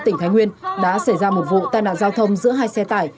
tỉnh thái nguyên đã xảy ra một vụ tai nạn giao thông giữa hai xe tải